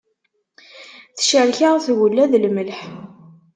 Tecrek-aɣ tgella d lemleḥ.